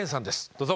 どうぞ。